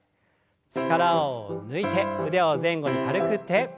力を抜いて腕を前後に軽く振って。